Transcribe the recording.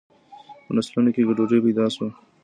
په نسلونو کي ګډوډي پیدا سوه.